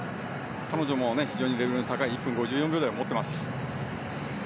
彼女も非常のレベルの高い１分５４秒台を持っています。